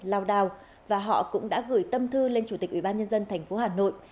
lao đào và họ cũng đã gửi tâm thư lên chủ tịch ủy ban nhân dân tp hà nội